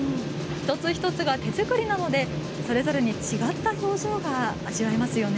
一つ一つが手作りなのでそれぞれに違った表情を味わえますよね。